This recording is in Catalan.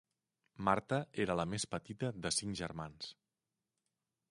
Marta era la més petita de cinc germans.